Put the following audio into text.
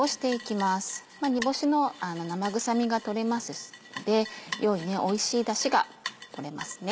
煮干しの生臭みが取れますので良いおいしい出汁が取れます。